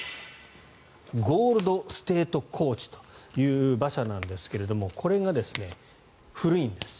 ゴールド・ステート・コーチという馬車なんですがこれが古いんです。